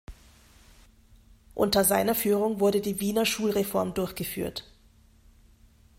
Unter seiner Führung wurde die Wiener Schulreform durchgeführt.